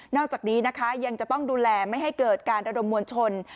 อกจากนี้นะคะยังจะต้องดูแลไม่ให้เกิดการระดมมวลชน